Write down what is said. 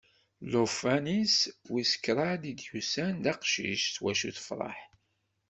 Llufan-is wis kraḍ i d-yusan d aqcic s wacu tefreḥ.